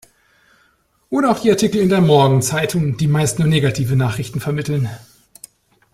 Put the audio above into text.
Oder auch die Artikel in der Morgenzeitung, die meist nur negative Nachrichten vermitteln.